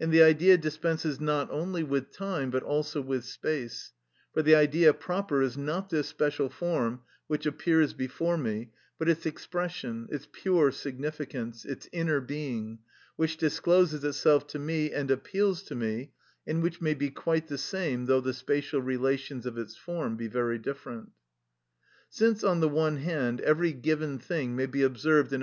And the Idea dispenses not only with time, but also with space, for the Idea proper is not this special form which appears before me but its expression, its pure significance, its inner being, which discloses itself to me and appeals to me, and which may be quite the same though the spatial relations of its form be very different. Since, on the one hand, every given thing may be observed in a.